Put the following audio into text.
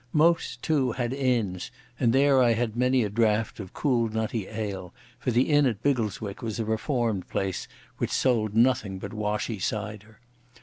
Most, too, had inns, and there I had many a draught of cool nutty ale, for the inn at Biggleswick was a reformed place which sold nothing but washy cider.